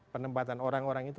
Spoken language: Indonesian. penempatan orang orang itu